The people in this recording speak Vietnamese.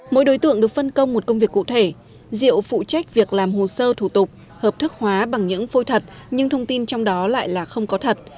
mỗi đối tượng được phân công một công việc cụ thể diệu phụ trách việc làm hồ sơ thủ tục hợp thức hóa bằng những phôi thật nhưng thông tin trong đó lại là không có thật